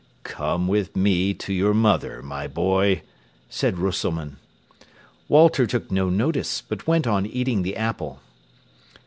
"Come with me to your mother, my boy," said Rösselmann. Walter took no notice, but went on eating the apple.